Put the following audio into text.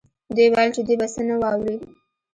دوی ویل چې دی به څه نه واوري